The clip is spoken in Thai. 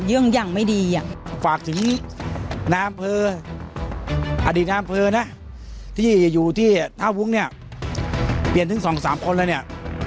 ยื้องยั่งไม่ดีอ่ะฝากสิน้ำเฟอร์อดีต้านเฟอร์นะที่อยู่ที่นาวุ้งเนี้ยเปลี่ยนถึงสองสามคนแล้วเนี้ย